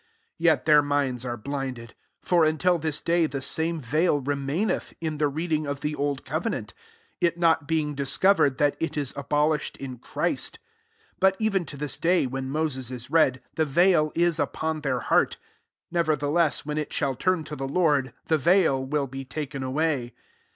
14 (Yet thdr minds re blinded : for until this day he same veil remaincth, in he reading of the old covenant; t not being discovered that it B abolished in Christ; 15 but ^en to this day, when Moses B read, the veU is upon their teart: 16 nevertheless, when it hall turn to the Lord, the veil rill be taken away.